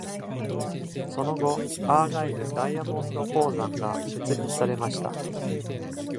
その後、アーガイル・ダイヤモンド鉱山が設立されました。